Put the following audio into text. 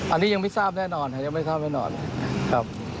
อันนี้ยังไม่ทราบแน่นอนยังไม่ทราบแน่นอนเลยครับ